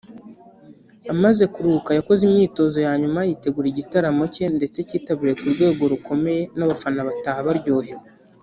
amaze kuruhuka yakoze imyitozo ya nyuma yitegura igitaramo cye ndetse cyitabiriwe ku rwego rukomeye n’abafana bataha baryohewe